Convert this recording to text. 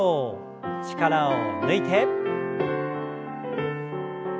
力を抜いて。